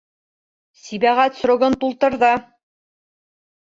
Сибәғәт срогын тултырҙы!